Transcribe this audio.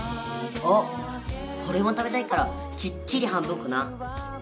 あっおれも食べたいからきっちり半分こな。